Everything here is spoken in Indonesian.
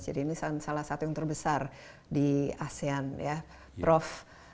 jadi ini salah satu yang terbesar di asean ya prof